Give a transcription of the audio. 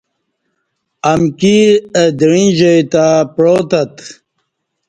امکی اہ دعیں جائی تہ پعاتت